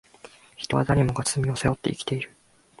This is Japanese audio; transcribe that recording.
人は誰もが罪を背負って生きている